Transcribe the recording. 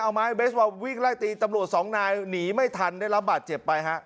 เอาไม้เบสบอลวิ่งไล่ตีตำรวจสองนายหนีไม่ทันได้รับบาดเจ็บไปฮะ